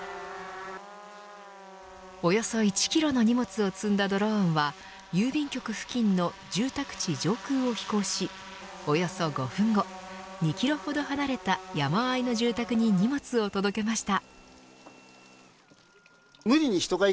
およそ１キロの荷物を積んだドローンは郵便局付近の住宅地上空を飛行しおよそ５分後２キロほど離れた山あいの住宅に荷物を届けました。